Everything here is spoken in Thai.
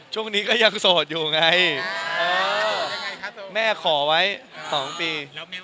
ช่วงนี้ก็ยังโสดอยู่ไงครับแม่ขอไว้๒ปี